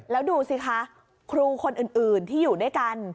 แล้วดูสิคะครูคนอื่นที่อยู่ด้วยกัน